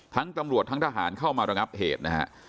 ทั้งตำรวจทั้งทหารเข้ามาระงับเหตุนะฮะ